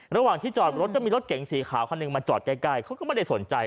ระหว่างที่จอดรถก็มีรถเก๋งสีขาวคันหนึ่งมาจอดใกล้เขาก็ไม่ได้สนใจ